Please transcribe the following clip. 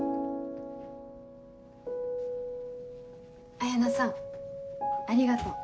彩菜さんありがとう。